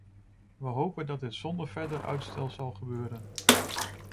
We hopen dat dit zonder verder uitstel zal gebeuren.